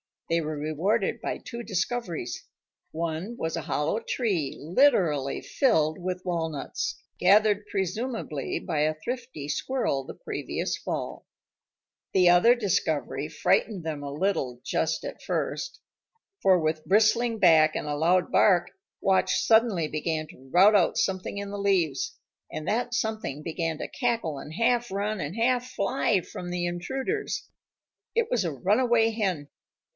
They were rewarded by two discoveries. One was a hollow tree literally filled with walnuts, gathered presumably by a thrifty squirrel the previous fall. The other discovery frightened them a little just at first. For with bristling back and a loud bark, Watch suddenly began to rout out something in the leaves, and that something began to cackle and half run and half fly from the intruders. It was a runaway hen.